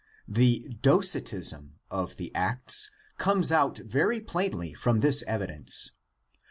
The Docetism of the Acts comes out very plainly from this evidence.